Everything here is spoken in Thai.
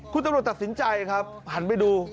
ครุ่นตำรวจตัดสินใจหันไปดู